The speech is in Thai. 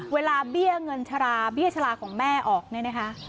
เบี้ยเงินชะลาเบี้ยชะลาของแม่ออกเนี่ยนะคะ